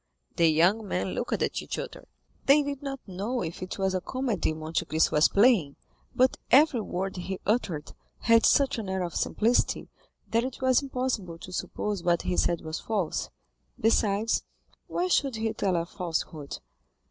The young men looked at each other; they did not know if it was a comedy Monte Cristo was playing, but every word he uttered had such an air of simplicity, that it was impossible to suppose what he said was false—besides, why should he tell a falsehood?